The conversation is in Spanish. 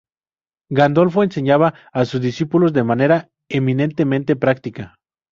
Gandolfo enseñaba a sus discípulos de manera eminentemente práctica.